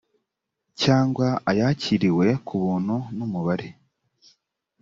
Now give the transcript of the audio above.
cyangwa ayakiriwe ku buntu n umubare